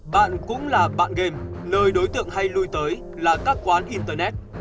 bạn cũng là bạn game nơi đối tượng hay lui tới là các quán internet